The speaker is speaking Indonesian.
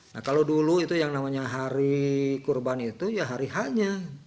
nah kalau dulu itu yang namanya hari kurban itu ya hari hanya